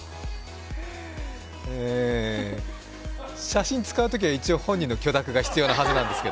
写真使うときは、一応、本人の許諾が必要なはずなんですが。